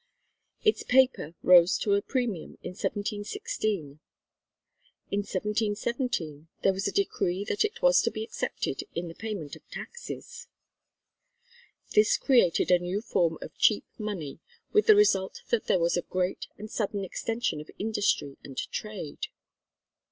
Its paper rose to a premium in 1716; in 1717 there was a decree that it was to be accepted in the payment of taxes. This created a new form of cheap money, with the result that there was a great and sudden extension of industry and trade.